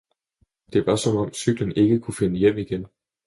det var som om cyklen ikke kunne finde hjem igen